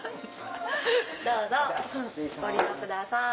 どうぞご利用ください。